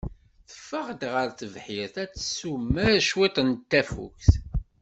Teffeɣ-d ɣer tebḥirt ad tessumer cwiṭ n tafukt.